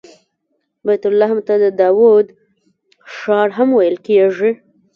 بیت لحم ته د داود ښار هم ویل کیږي.